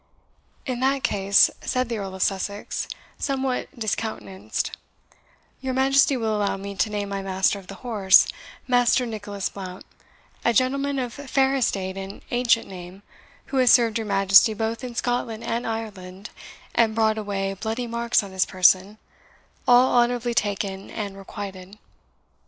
"In that case," said the Earl of Sussex, somewhat discountenanced, "your Majesty will allow me to name my master of the horse, Master Nicholas Blount, a gentleman of fair estate and ancient name, who has served your Majesty both in Scotland and Ireland, and brought away bloody marks on his person, all honourably taken and requited."